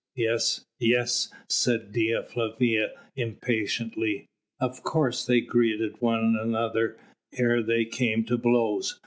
"Yes! yes!" said Dea Flavia impatiently, "of course they greeted one another ere they came to blows.